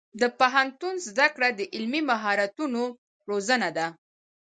د پوهنتون زده کړه د عملي مهارتونو روزنه ده.